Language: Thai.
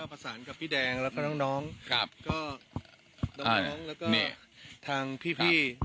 ก็ผสานกับพี่แดงแล้วก็น้องน้องครับก็น้องน้องแล้วก็ทางพี่พี่